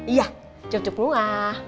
iya cocok juga